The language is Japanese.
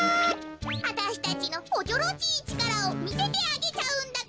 わたしたちのおちょろちいちからをみせてあげちゃうんだから。